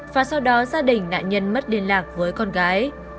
với con gái